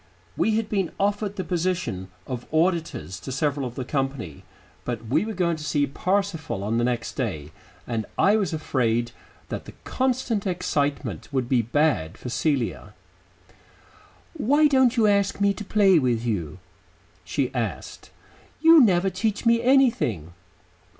We had been offered the position of auditors to several of the company, but we were going to see Parsifal on the next day, and I was afraid that the constant excitement would be bad for Celia. "Why don't you ask me to play with you?" she asked. "You never teach me anything."